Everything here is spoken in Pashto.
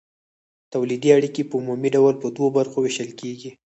تولیدي اړیکې په عمومي ډول په دوو برخو ویشل کیږي.